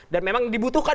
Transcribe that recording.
dan memang dibutuhkan